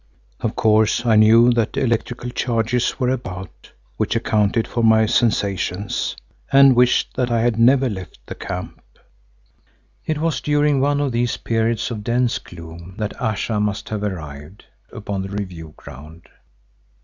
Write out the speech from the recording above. Of course I knew that electrical charges were about, which accounted for my sensations, and wished that I had never left the camp. It was during one of these periods of dense gloom that Ayesha must have arrived upon the review ground.